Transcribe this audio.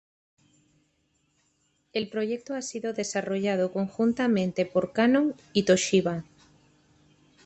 El proyecto ha sido desarrollado conjuntamente por Canon y Toshiba.